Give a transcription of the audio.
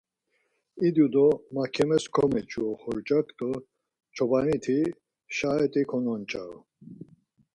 İdu do makemes komeçu oxorcak do çobaniti şaet̆i kononç̌aru.